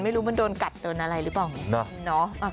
ไม่รู้มันโดนกัดโดนอะไรหรือเปล่าไง